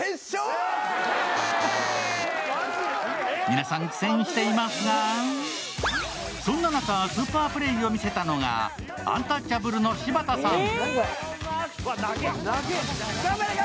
皆さん苦戦していますが、そんな中スーパープレーを見せたのがアンタッチャブルの柴田さん。